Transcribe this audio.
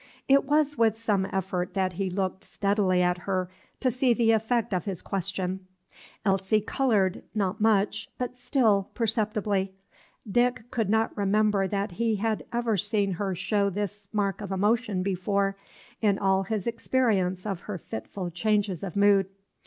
It was with some effort that he looked steadily at her to see the effect of his question. Elsie colored, not much, but still perceptibly. Dick could not remember that he had ever seen her show this mark of emotion before, in all his experience of her fitful changes of mood.